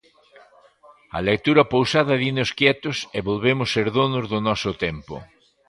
A lectura pausada dinos quietos e volvemos ser donos do noso tempo.